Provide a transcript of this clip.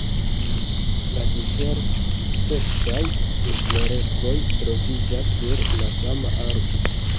La divers-seksaj infloreskoj troviĝas sur la sama arbo.